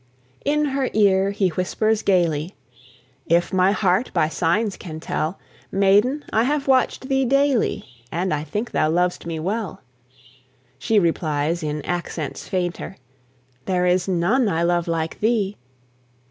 In her ear he whispers gaily, "If my heart by signs can tell, Maiden, I have watched thee daily, And I think thou lov'st me well." She replies, in accents fainter, "There is none I love like thee."